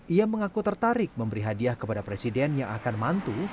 ia mengaku tertarik memberi hadiah kepada presiden yang akan mantu